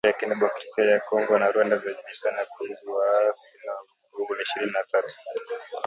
Jamuhuri ya Kidemokrasia ya Kongo na Rwanda zajibizana kuhusu waasi wa Vuguvugu la Ishirini na tatu